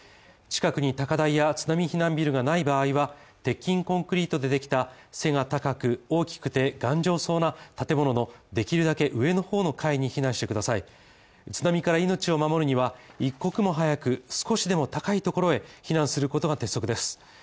近くに高台や津波避難ビルがない場合は、鉄筋コンクリートでできた背が高く、大きくて頑丈そうな建物できるだけ上の方の階に避難してください津波から命を守るには一刻も早く、少しでも高いところへ避難することが鉄則です。